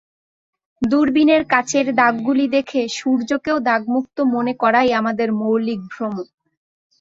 দূরবীনের কাচের দাগগুলি দেখে সূর্যকেও দাগমুক্ত মনে করাই আমাদের মৌলিক ভ্রম।